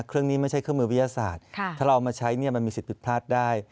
เครื่องนี้ไม่ใช่เครื่องมือวิทยาศาสตร์ถ้าเราเอามาใช้มันมีสิทธิ์ผิดพลาดได้